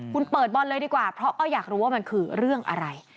คุณเปิดบอลเลยดีกว่าเพราะก็อยากรู้ว่ามันคือเรื่องอะไร